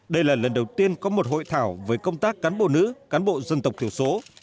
đây là lần đầu tiên có một hội thảo với công tác cán bộ nữ cán bộ dân tộc thiểu số